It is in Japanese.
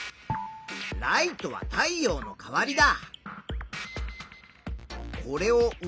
ライトは太陽の代わりだ。